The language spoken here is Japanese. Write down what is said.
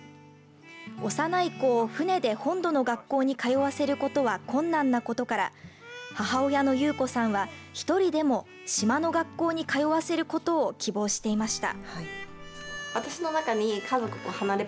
幼い子を船で本土の学校に通わせることは困難なことから母親の悠子さんは１人でも島の学校に通わせることを希望していました。